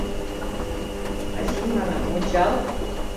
Ачий, манам, ончал!